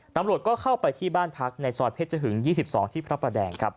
ตำรวจก็เข้าไปที่บ้านพักในซอยเพชรหึง๒๒ที่พระประแดงครับ